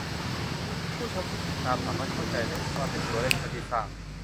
ผู้ชมที่ติดตามสามารถเข้าใจได้ว่า เป็นตัวเลขเท่าที่ทราบ